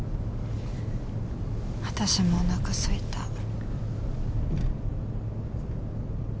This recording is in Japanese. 私もおなかすいた。